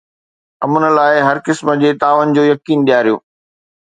امن لاءِ هر قسم جي تعاون جو يقين ڏياريو